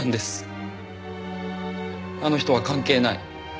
あの人は関係ない。